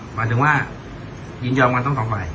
หมายถึงว่ายืนยอมมันต้องต่อไป